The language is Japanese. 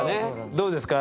どうですか？